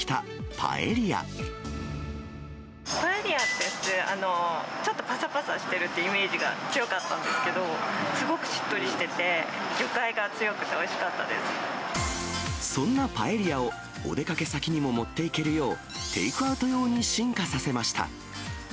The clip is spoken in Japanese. パエリアって普通、ちょっとぱさぱさしてるっていうイメージが強かったんですけど、すごくしっとりしてて、そんなパエリアをお出かけ先にも持っていけるよう、テイクアウト用に進化させました。